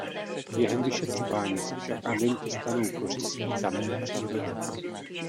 Během vyšetřování se však agenti stanou kořistí tamní přírody.